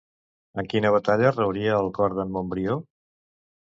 En quina batalla rauria el cor d'en Montbrió?